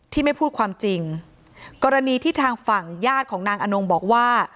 ไม่พูดความจริงกรณีที่ทางฝั่งญาติของนางอนงบอกว่า